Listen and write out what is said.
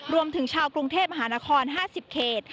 รวมถึงชาวกรุงเทพมหานคร๕๐เขต